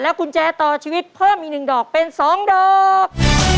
กุญแจต่อชีวิตเพิ่มอีก๑ดอกเป็น๒ดอก